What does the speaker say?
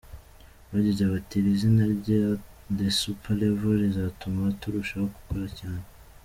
Bagize bati :”iri zina rya The Super Level rizatuma turushaho gukora cyane.